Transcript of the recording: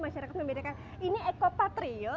masyarakat membedakan ini eko patrio